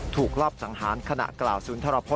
ถูกรับสังหารขณะกล่าว๐น